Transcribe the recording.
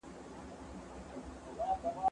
ږغ واوره!.